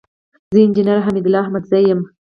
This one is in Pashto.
زه انجينر حميدالله احمدزى يم.